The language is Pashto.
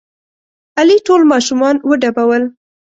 علي ټول ماشومان وډبول.